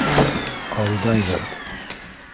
Алдайҙыр.